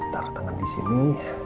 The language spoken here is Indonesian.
taruh tangan di sini